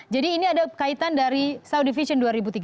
jadi ini ada kaitan dari saudi vision dua ribu tiga puluh